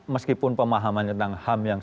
meskipun pemahaman tentang ham yang